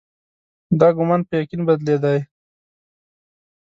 دا ګومان په یقین بدلېدی.